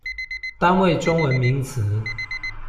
單位中文名詞